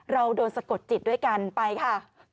เราโดนสะกดจิตด้วยกันไปค่ะ